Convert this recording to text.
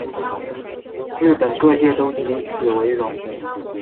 日本各界都以此为荣。